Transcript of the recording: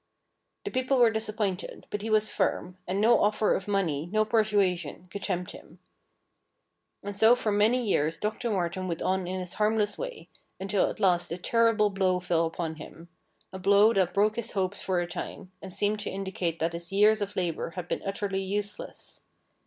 The people were disappointed, but he was firm, and no offer of money, no persuasion, could tempt him. And so for many years Doctor Martin went on in his harmless way, until at last a terrible blow fell upon him — a blow that broke his hopes for a time, and seemed to indicate that his years of labour had been utterly useless.